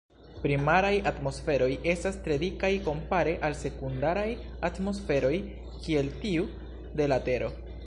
Primaraj atmosferoj estas tre dikaj kompare al sekundaraj atmosferoj kiel tiu de la Tero.